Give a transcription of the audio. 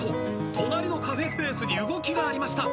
隣のカフェスペースに動きがありました。